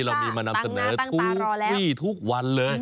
เรามีมานำเสนอทุกวี่ทุกวันเลย